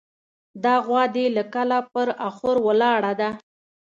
دا غوا دې له کله پر اخور ولاړه ده.